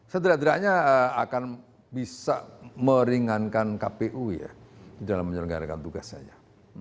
setidaknya akan bisa meringankan kpu ya dalam menyelenggarakan tugasnya